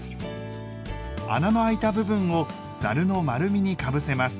穴のあいた部分をざるの丸みにかぶせます。